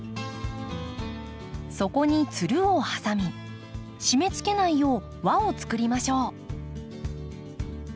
そこにつるを挟み締めつけないよう輪をつくりましょう。